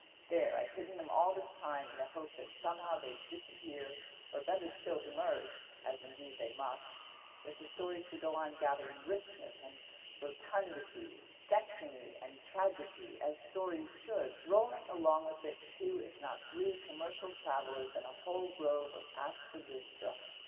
There I've hidden them all this time in the hope that somehow they'd disappear, or better still emerge, as indeed they must, if the story's to go on gathering richness and rotundity, destiny and tragedy, as stories should, rolling along with it two, if not three, commercial travellers and a whole grove of aspidistra.